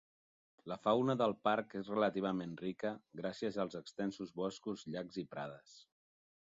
La fauna del parc és relativament rica, gràcies als extensos boscos, llacs i prades.